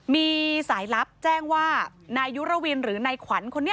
มีสายลับแจ้งว่านายยุรวินหรือนายขวัญคนนี้